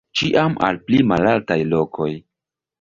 Ĉiam al pli malaltaj lokoj.